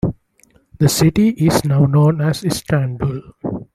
The city is now known as Istanbul.